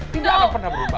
tidak akan pernah berubah